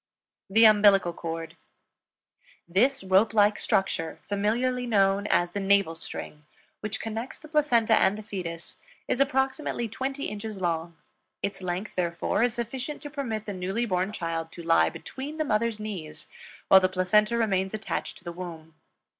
THE UMBILICAL CORD. This rope like structure, familiarly known as the navel string, which connects the placenta and the fetus, is approximately twenty inches long; its length, therefore, is sufficient to permit the newly born child to lie between the mother's knees while the placenta remains attached to the womb.